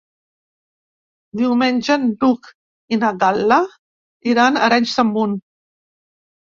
Diumenge n'Hug i na Gal·la iran a Arenys de Munt.